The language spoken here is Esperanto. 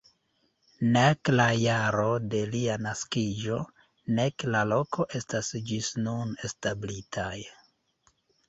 Nek la jaro de lia naskiĝo, nek la loko estas ĝis nun establitaj.